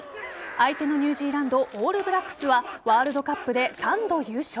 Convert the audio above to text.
相手のニュージーランドオールブラックスはワールドカップで３度優勝。